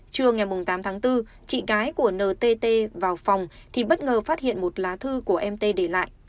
trưa ngày tám tháng bốn chị gái của ntt vào phòng thì bất ngờ phát hiện một lá thư của mt để lại